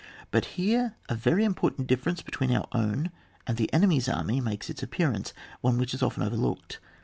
But here a very important difference between our own and the enemy's army makes its appearance, one which is often overlooked.